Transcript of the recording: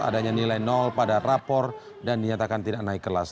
adanya nilai nol pada rapor dan dinyatakan tidak naik kelas